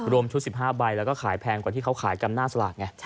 รวมชุด๑๕ใบแล้วก็ขายแพงกว่าที่เขาขายกำหน้าสลากไง